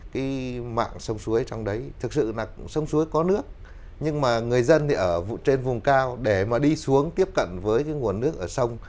cái mạng sông suối trong đấy thực sự là sông suối có nước nhưng mà người dân thì ở trên vùng cao để mà đi xuống tiếp cận với cái nguồn nước ở sông